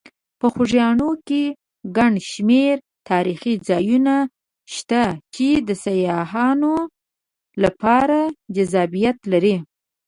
په خوږیاڼي کې ګڼ شمېر تاریخي ځایونه شته چې د سیاحانو لپاره جذابیت لري.